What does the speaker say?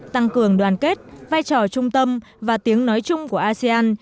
tăng cường đoàn kết vai trò trung tâm và tiếng nói chung của asean